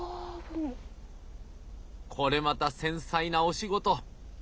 これまた繊細なお仕事。